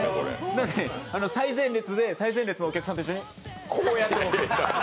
なので最前列で最前列のお客さんと一緒にこうやって。